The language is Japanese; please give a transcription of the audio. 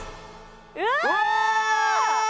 うわ！